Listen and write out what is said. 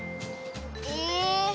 え。